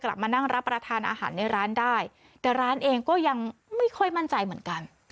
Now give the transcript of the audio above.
มานั่งรับประทานอาหารในร้านได้แต่ร้านเองก็ยังไม่ค่อยมั่นใจเหมือนกัน